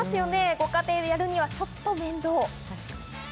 ご家庭でやるにはちょっと面倒。